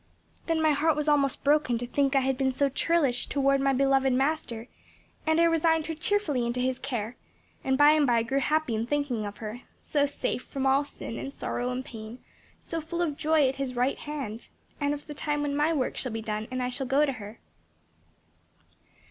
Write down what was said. "Then my heart was almost broken to think I had been so churlish toward my beloved Master and I resigned her cheerfully into His care, and by and by grew happy in thinking of her, so safe from all sin and sorrow and pain, so full of joy, at His right hand; and of the time when my work shall be done and I shall go to her."